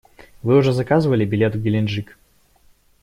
Вы уже заказывали билет в Геленджик?